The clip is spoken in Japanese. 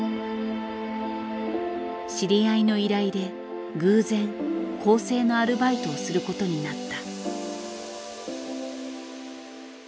知り合いの依頼で偶然校正のアルバイトをすることになった。